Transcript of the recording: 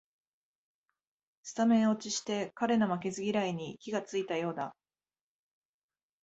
スタメン落ちして彼の負けず嫌いに火がついたようだ